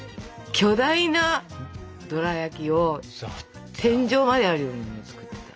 巨大なドラやきを天井まであるようなの作ってた。